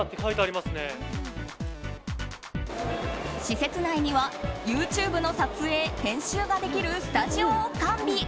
施設内にはＹｏｕＴｕｂｅの撮影・編集ができるスタジオを完備。